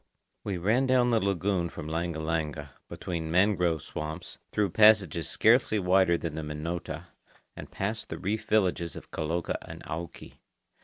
We ran down the lagoon from Langa Langa, between mangrove swamps, through passages scarcely wider than the Minota, and past the reef villages of Kaloka and Auki.